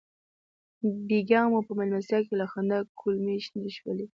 بېګا مو په مېلمستیا کې له خندا کولمې شنې شولې.